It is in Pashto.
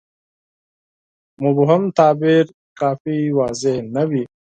مبهم تعبیر کافي واضحه نه وي.